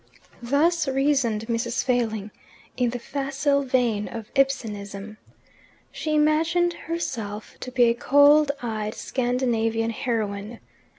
Thus reasoned Mrs. Failing, in the facile vein of Ibsenism. She imagined herself to be a cold eyed Scandinavian heroine.